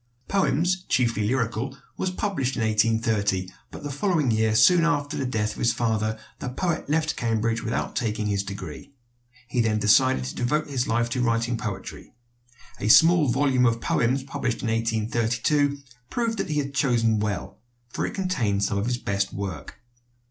"Poems, Chiefly Lyrical," was published in 1830; but the following year, soon after the death of his father, the poet left Cambridge without taking his degree. He then decided to devote his life to writing poetry. A small volume of poems published in 1832 proved that he had chosen well; for it contained some of his best work.